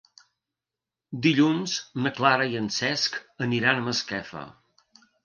Dilluns na Clara i en Cesc aniran a Masquefa.